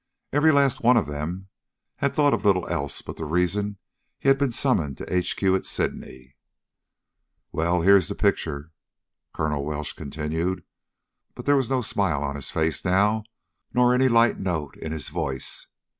Every last one of them had thought of little else but the reason he had been summoned to H.Q. at Sydney. "Well, here is the picture," Colonel Welsh continued, but there was no smile on his face now, nor any light note in his voice.